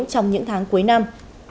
trong những tháng cuối năm